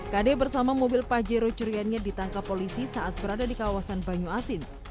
kd bersama mobil pajero curiannya ditangkap polisi saat berada di kawasan banyu asin